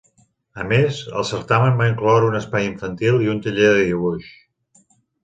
A més, el certamen va incloure un espai infantil i un taller de dibuix.